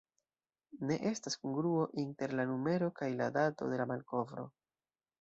Ne estas kongruo inter la numero kaj la dato de la malkovro.